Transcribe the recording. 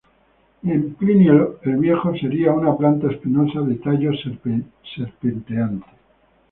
En Plinio el Viejo sería una planta espinosa de tallo serpenteante.